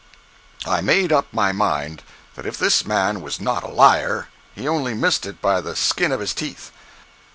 I made up my mind that if this man was not a liar he only missed it by the skin of his teeth.